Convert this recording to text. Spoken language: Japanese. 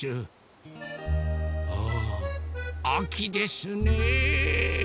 あぁあきですね。